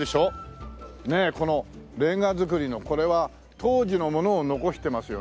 ねえこのレンガ造りのこれは当時のものを残してますよね。